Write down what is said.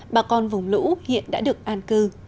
bà con vùng lũ hiện đã được an cư